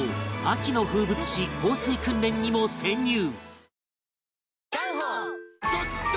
秋の風物詩放水訓練にも潜入！